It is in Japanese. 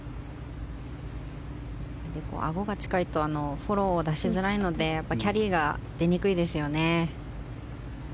アゴが近いとフォローを出しづらいのでキャリーが出にくいですよね。